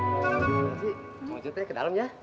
masih mau jepit ke dalam ya